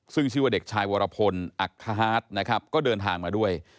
ซึ่งชื่อว่าเด็กชายวรพลอักฮาร์ดนะครับก็เดินทางมาด้วย